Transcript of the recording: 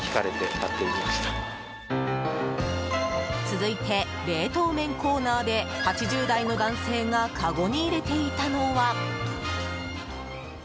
続いて、冷凍麺コーナーで８０代の男性がかごに入れていたのは。